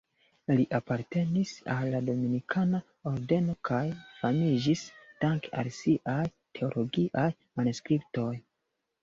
Li apartenis al la Dominikana Ordeno kaj famiĝis dank'al siaj teologiaj manuskriptoj.